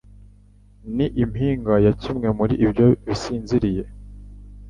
ni impinga ya kimwe muri ibyo bisinziriye